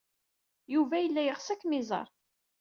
Yuba yella yeɣs ad kem-iẓer.